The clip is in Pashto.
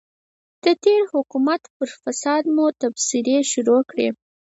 د تېر حکومت پر فساد مو تبصرې شروع کړې.